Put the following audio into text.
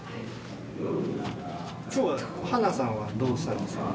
今日はハナさんはどうしたんですか？